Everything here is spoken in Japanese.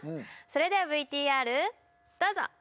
それではＶＴＲどうぞ！